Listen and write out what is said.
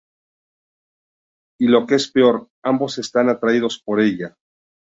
Y lo que es peor: ambos están atraídos por ella.